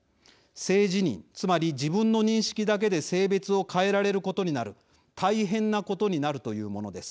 性自認、つまり自分の認識だけで性別を変えられることになる大変なことになるというものです。